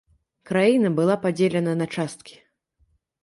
Краіна была падзелена на часткі.